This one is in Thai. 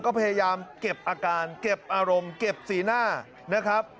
ก็พยายามเก็บอาการเก็บอารมณ์เก็บสีหน้านะครับ